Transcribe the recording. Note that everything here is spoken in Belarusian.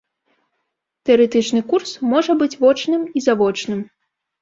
Тэарэтычны курс можа быць вочным і завочным.